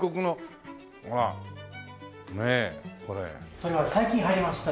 それは最近入りました。